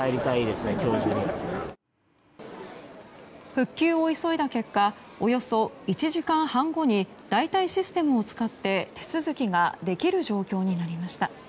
復旧を急いだ結果およそ１時間半後に代替システムを使って手続きができる状況になりました。